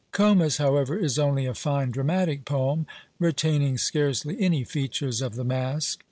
'" Comus, however, is only a fine dramatic poem, retaining scarcely any features of the Masque.